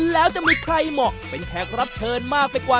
แล้วจะมีใครเหมาะเป็นแขกรับเชิญมากไปกว่า